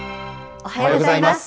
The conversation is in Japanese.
おはようございます。